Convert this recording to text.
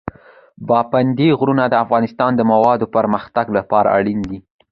پابندی غرونه د افغانستان د دوامداره پرمختګ لپاره اړین دي.